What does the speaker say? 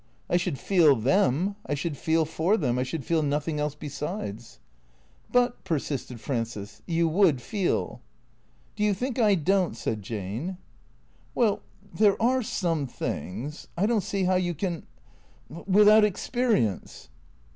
I should feel them, I should feel for them, I should feel nothing else besides." " But/' persisted Frances, " you would feel." " Do you think I don't ?" said Jane. "Well, there are some things — I don't see how you can — without experience."